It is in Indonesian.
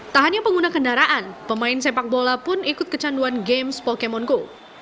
tak hanya pengguna kendaraan pemain sepak bola pun ikut kecanduan games pokemon go